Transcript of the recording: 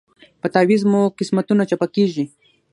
په تعویذ مو قسمتونه چپه کیږي